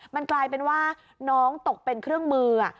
มันกลายเป็นว่าน้องตกเป็นเครื่องมือ